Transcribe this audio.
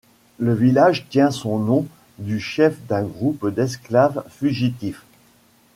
Le village tient son nom du chef d'un groupe d'esclaves fugitifs.